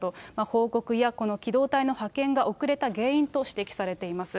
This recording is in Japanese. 報告やこの機動隊の派遣が遅れた原因と指摘されています。